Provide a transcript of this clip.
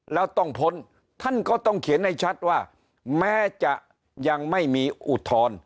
แล้วต้องพ้นท่านก็ต้องเขียนให้ชัดว่าแม้จะยังไม่มีอุทธรณ์